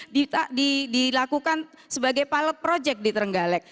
dilakukan sebagai pilot project di terenggalek